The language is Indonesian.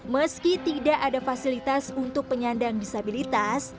meski tidak ada fasilitas untuk penyandang disabilitas